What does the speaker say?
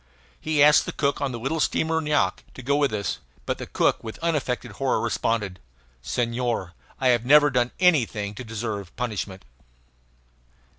He asked the cook on the little steamer Nyoac to go with us; but the cook with unaffected horror responded: "Senhor, I have never done anything to deserve punishment!"